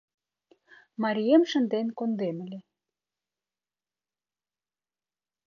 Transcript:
Марием шынден кондем ыле.